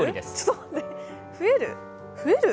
増える？